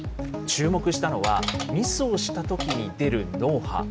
注目したのは、ミスをしたときに出る脳波。